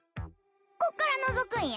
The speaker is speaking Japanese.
こっからのぞくんや。